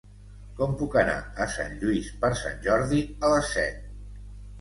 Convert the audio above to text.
Com puc anar a Sant Lluís per Sant Jordi a les set?